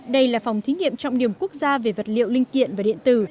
đây là phòng thí nghiệm trọng điểm quốc gia về vật liệu linh kiện và điện tử